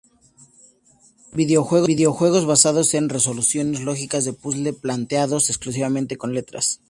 Videojuegos basados en resoluciones lógicas de puzles planteados exclusivamente con letras.